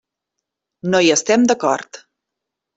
No hi estem d'acord.